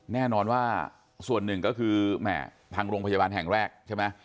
แน่นอนว่าส่วนหนึ่งก็คือแหม่ทางโรงพยาบาลแห่งแรกใช่ไหม